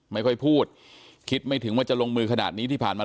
ไม่ค่อยพูดคิดไม่ถึงว่าจะลงมือขนาดนี้ที่ผ่านมา